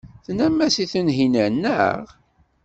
Tennam-as i Tunhinan, naɣ?